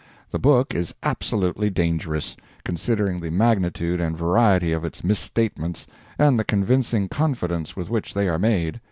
The book is absolutely dangerous, considering the magnitude and variety of its misstatements and the convincing confidence with which they are made.